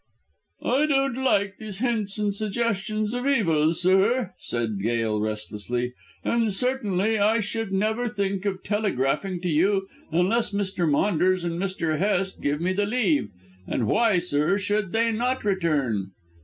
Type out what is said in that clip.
"I don't like these hints and suggestions of evil, sir," said Gail, restlessly, "and certainly I should never think of telegraphing to you unless Mr. Maunders and Mr. Hest give me leave. And why, sir, should they not return?"